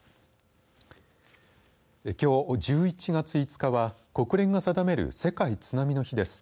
きょう１１月５日は国連が定める世界津波の日です。